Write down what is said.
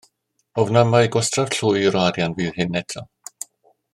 Ofnaf mai gwastraff llwyr o arian fydd hyn eto.